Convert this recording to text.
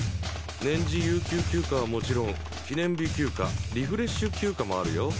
年次有給休暇はもちろん記念日休暇リフレッシュ休暇もあるよ